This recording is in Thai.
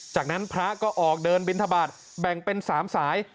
จากนั้นพระก็ออกเดินบินทบาทแบ่งเป็น๓สาย